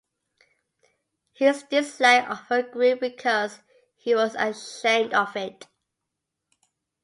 His dislike of her grew because he was ashamed of it.